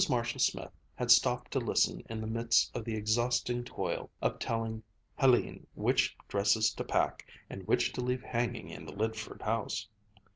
Marshall Smith had stopped to listen in the midst of the exhausting toil of telling Hélène which dresses to pack and which to leave hanging in the Lydford house.